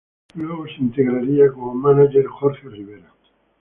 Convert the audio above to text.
Luego se integraría como manager Jorge Rivera.